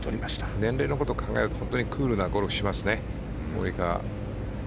年齢のことを考えるとクールなゴルフをしますよね。